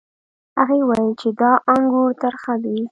هغې وویل چې دا انګور ترخه دي.